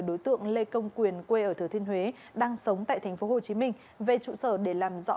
đối tượng lê công quyền quê ở thừa thiên huế đang sống tại tp hcm về trụ sở để làm rõ